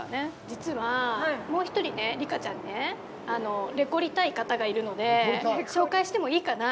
実は、もう一人、六花ちゃんにレコりたい方がいるので紹介してもいいかな。